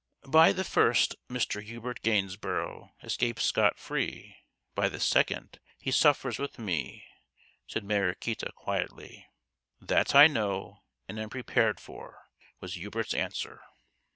"By the first Mr. Hubert Gainsborough escapes scot free ; by the second he suffers with me," said Mariquita, quietly. " That I know and am prepared for," was Hubert's answer.